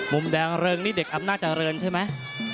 มุมแดงเริงนี่เด็กอำนาจเจริญใช่ไหม